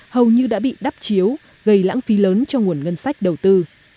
hầu như đã bị đắp chiếu gây lãng phí lớn cho nguồn ngân sách đầu tư